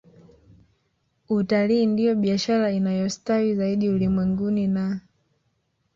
Utalii ndiyo biashara inayostawi zaidi ulimwenguni na